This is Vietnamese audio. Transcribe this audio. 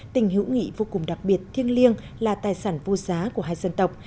tình hữu nghị vô cùng đặc biệt thiêng liêng là tài sản vô giá của hai dân tộc